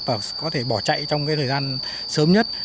và có thể bỏ chạy trong cái thời gian sớm nhất